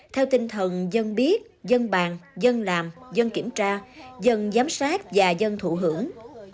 theo tinh thần dân biết dân bàn dân làm dân kiểm tra dân giám sát và dân thụ hưởng